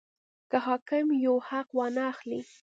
که حاکم یو حق وانه خلي.